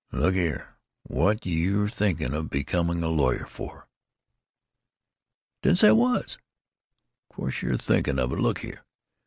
"Look here. What 're you thinking of becoming a lawyer for?" "Didn't say I was." "Of course you're thinking of it. Look here.